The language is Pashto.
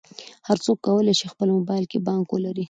هر څوک کولی شي په خپل موبایل کې بانک ولري.